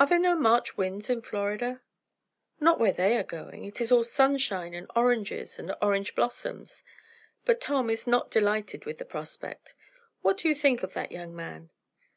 "Are there no March winds in Florida?" "Not where they are going. It is all sunshine and oranges and orange blossoms. But Tom is not delighted with the prospect. What do you think of that young man?"